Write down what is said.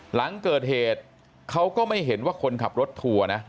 หลังเกิดเหตุเขาก็ไม่เห็นว่าคนขับรถทัวร์นะ